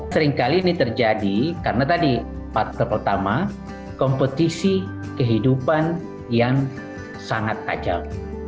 sering kali ini terjadi karena tadi part terpertama kompetisi kehidupan yang sangat kacau